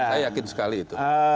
saya yakin sekali itu